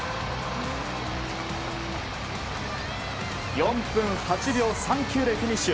４分８秒３９でフィニッシュ。